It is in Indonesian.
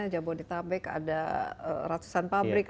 jabodetabek ada ratusan pabrik